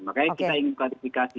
makanya kita ingin klasifikasi